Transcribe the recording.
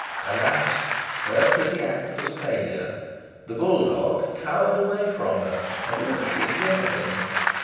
Alas, her pretty act was a failure. The bulldog cowered away from her, horrifically grimacing.